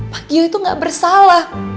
pak gio itu gak bersalah